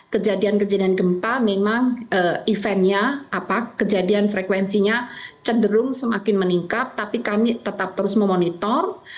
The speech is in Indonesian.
kejadian kejadian gempa memang eventnya kejadian frekuensinya cenderung semakin meningkat tapi kami tetap terus memonitor